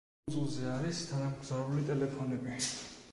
კუნძულზე არის თანამგზავრული ტელეფონები.